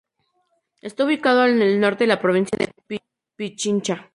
Está ubicado el norte de la provincia de Pichincha.